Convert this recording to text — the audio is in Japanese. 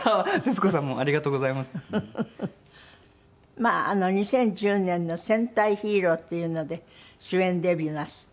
まあ２０１０年の戦隊ヒーローっていうので主演デビューなすって。